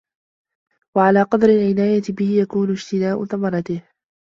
وَعَلَى قَدْرِ الْعِنَايَةِ بِهِ يَكُونُ اجْتِنَاءُ ثَمَرَتِهِ